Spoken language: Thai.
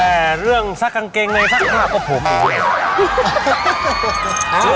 แต่เรื่องซักกางเกงในซักผ้าก็ผมเนี่ย